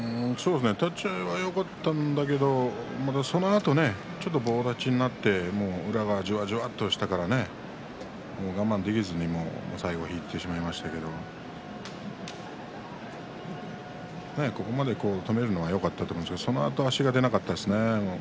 立ち合いはよかったんだけれどもそのあと棒立ちになって宇良が、じわじわと下から我慢できずに最後いってしまいましたけれどもここまで止めるのはよかったと思うんですがそのあと足が出なかったですね。